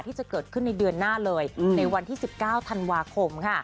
ที่จะเกิดขึ้นในเดือนหน้าเลยในวันที่๑๙ธันวาคมค่ะ